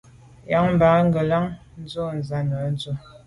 Yen nà ba ngelan ndù sàne.